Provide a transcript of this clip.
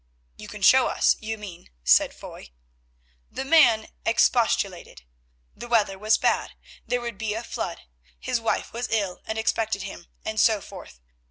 "You can show us, you mean," said Foy. The man expostulated. The weather was bad, there would be a flood, his wife was ill and expected him, and so forth.